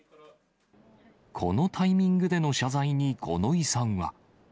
このタイミングでの謝罪に五ノ井さんは。